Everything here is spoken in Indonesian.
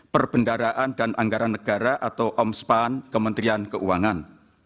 perbendaraan dan anggaran negara atau omspan kementerian keuangan